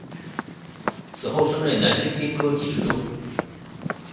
此后升任南京兵科给事中。